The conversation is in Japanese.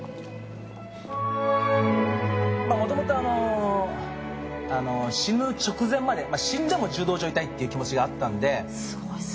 もともと、死ぬ直前まで、死んでも柔道場にいたいっていう気持ちがあったんで。